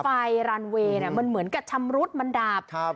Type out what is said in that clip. ไฟลานเวย์เนี้ยมันเหมือนกับชำรุดมันดาบครับ